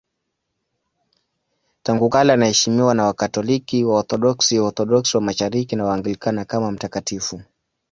Tangu kale anaheshimiwa na Wakatoliki, Waorthodoksi, Waorthodoksi wa Mashariki na Waanglikana kama mtakatifu.